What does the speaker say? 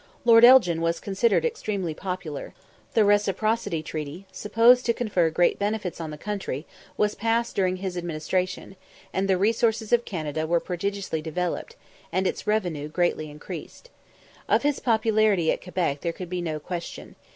Lord Elgin was considered extremely popular; the Reciprocity Treaty, supposed to confer great benefits on the country, was passed during his administration, and the resources of Canada were prodigiously developed, and its revenue greatly increased. Of his popularity at Quebec there could be no question.